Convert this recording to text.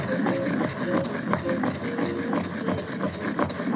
ハハハハ。